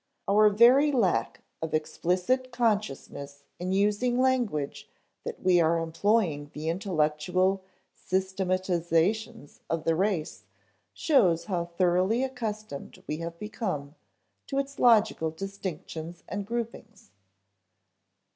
_ Our very lack of explicit consciousness in using language that we are employing the intellectual systematizations of the race shows how thoroughly accustomed we have become to its logical distinctions and groupings.